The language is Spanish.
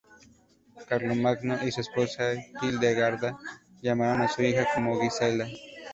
Carlomagno y su esposa Hildegarda llamaron a su hija como Gisela.